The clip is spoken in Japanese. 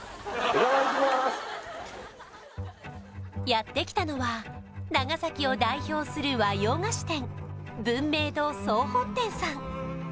やってきたのは長崎を代表する和洋菓子店文明堂総本店さん